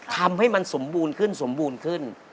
ทำให้มันสมบูรณ์ขึ้นสมบูรณ์ขึ้น